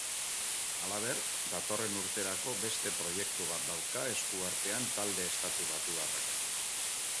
Halaber, datorren urterako beste proiektu bat dauka esku artean talde estatubatuarrak.